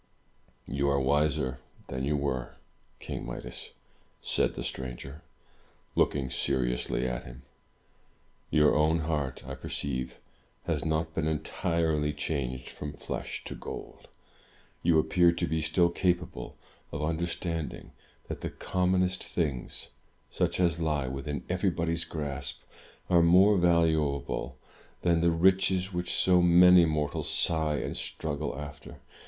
'' "You are wiser than you were. King Midas!" said the stranger, looking seriously at him. "Your own heart, I per ceive, has not been entirely changed from flesh to gold. You appear to be still capable of understanding that the common est things, such as lie within everybody's grasp, are more valu able than the riches which so many mortals sigh and struggle after.